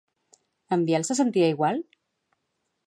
En Biel se sentia igual?